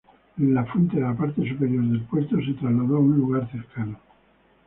La fuente de la parte superior del puerto se trasladó a un lugar cercano.